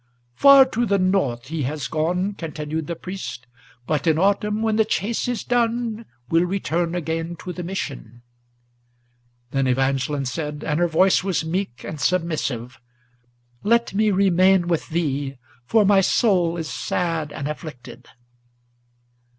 "Far to the north he has gone," continued the priest; "but in autumn, When the chase is done, will return again to the Mission." Then Evangeline said, and her voice was meek and submissive, "Let me remain with thee, for my soul is sad and afflicted."